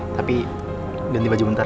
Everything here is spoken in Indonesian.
tapi ganti baju muntar